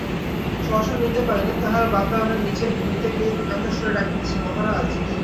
সহসা শুনিতে পাইলেন, তাঁহার বাতায়নের নীচে হইতে কে কাতরস্বরে ডাকিতেছে, মহারাজ!